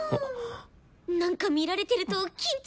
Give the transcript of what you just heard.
なんか見られてると緊張しちゃう。